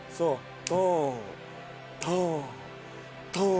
トントントン。